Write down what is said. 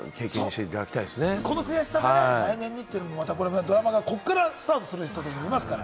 この悔しさを来年の年にねってこっからスタートする人もいますから。